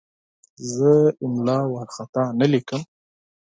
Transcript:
زه املا وارخطا نه لیکم.